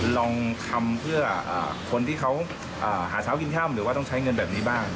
ลองทำเพื่อคนที่เขาหาเช้ากินค่ำหรือว่าต้องใช้เงินแบบนี้บ้าง